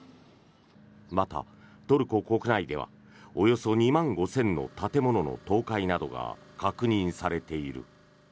また、トルコ国内ではおよそ２万５０００の建物の倒壊などが確認されている。